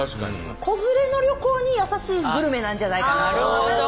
子連れの旅行に優しいグルメなんじゃないかなと。